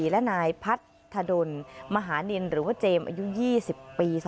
และนายพัทธดลมหานินหรือว่าเจมส์อายุ๒๐ปี